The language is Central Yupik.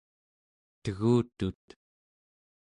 tegutut